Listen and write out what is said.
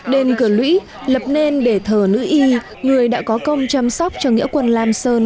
đền cửa lũy lập nên để thờ nữ y người đã có công chăm sóc cho nghĩa quân lam sơn